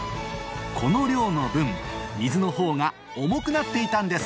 この量の分水のほうが重くなっていたんです